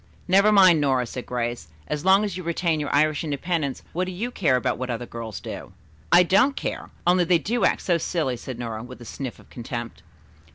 "Never mind, Nora," said Grace. "As long as you retain your Irish independence what do you care about what other girls do?" "I don't care. Only they do act so silly," said Nora, with a sniff of contempt.